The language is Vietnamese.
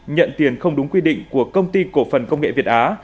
nhận tiền không đúng quy định của công ty cổ phần công nghệ việt á